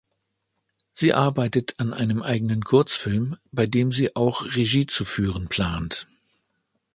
Sie arbeitet an einem eigenen Kurzfilm, bei dem sie auch Regie zu führen plant.